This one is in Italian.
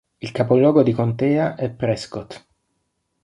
Il capoluogo di contea è Prescott.